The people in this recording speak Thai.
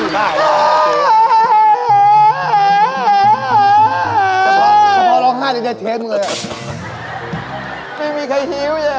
ไม่มีใครชิลใช่ไหม